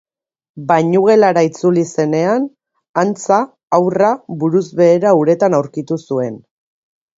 Bainugelara itzuli zenean, antza, haurra buruz behera uretan aurkitu zuen.